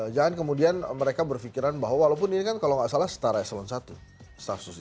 jangan kemudian mereka berpikiran bahwa walaupun ini kan kalau gak salah setara eselon satu